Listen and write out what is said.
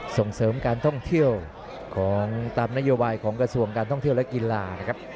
ส่งเสริมการท่องเที่ยวของตามนโยบายของกระทรวงการท่องเที่ยวและกีฬานะครับ